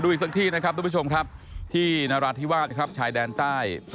อีกสักที่นะครับทุกผู้ชมครับที่นราธิวาสครับชายแดนใต้